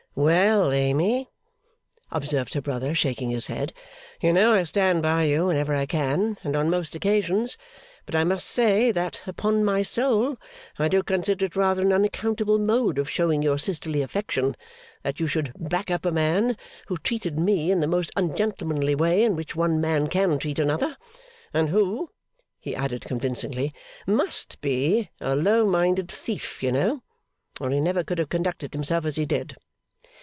'Well, Amy,' observed her brother, shaking his head, 'you know I stand by you whenever I can, and on most occasions. But I must say, that, upon my soul, I do consider it rather an unaccountable mode of showing your sisterly affection, that you should back up a man who treated me in the most ungentlemanly way in which one man can treat another. And who,' he added convincingly, 'must be a low minded thief, you know, or he never could have conducted himself as he did.